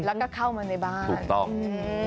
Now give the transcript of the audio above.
แล้วก็เข้ามาในบ้านถูกต้อง